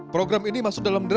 program ini masuk ke dalam kategori